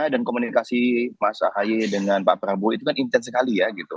dan komunikasi mas ahaya dengan pak prabowo itu kan intens sekali ya